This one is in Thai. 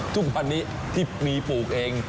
ทุกวันนี้ที่มีปลูกเอง